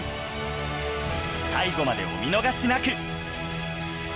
最後までお見逃しなく！